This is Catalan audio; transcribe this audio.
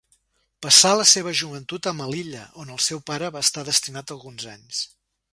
Passà la seva joventut a Melilla, on el seu pare va estar destinat alguns anys.